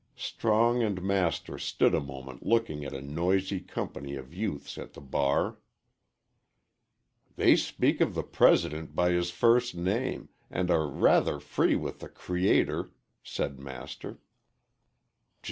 Strong and Master stood a moment looking at a noisy company of youths at the bar. "They speak of the President by his first name, and are rather free with the Creator," said Master.